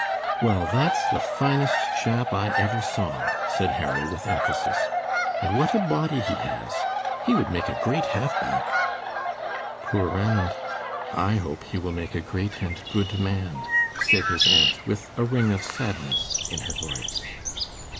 "Well, that's the finest chap I ever saw," said Harry, with emphasis. "And what a body he has! He would make a great half back." "Poor Ranald! I hope he will make a great and good man," said his aunt, with a ring of sadness in her voice.